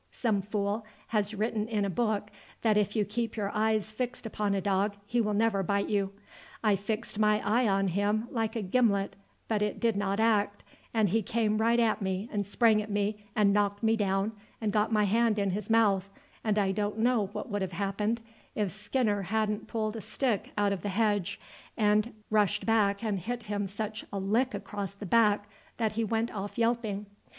Some fool has written in a book that if you keep your eyes fixed upon a dog he will never bite you. I fixed my eye on him like a gimlet but it did not act, and he came right at me and sprang at me and knocked me down and got my hand in his mouth, and I don't know what would have happened if Skinner hadn't pulled a stick out of the hedge, and rushed back and hit him such a lick across the back that he went off yelping.